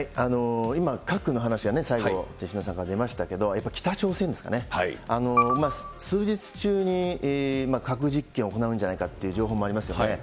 今、核の話がね、最後、手嶋さんから出ましたけど、北朝鮮ですかね、数日中に核実験を行うんじゃないかっていう情報もありますよね。